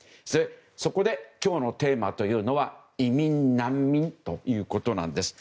そこで、今日のテーマは移民・難民ということなんです。